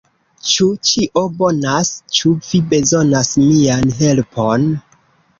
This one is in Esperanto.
Ĉu ĉio bonas? Ĉu vi bezonas mian helpon?